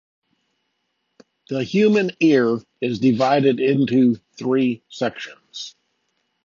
The human ear is divided into three sections.